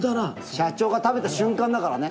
社長が食べた瞬間だからね。